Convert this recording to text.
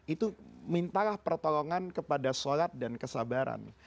itu mintalah pertolongan kepada sholat dan kesabaran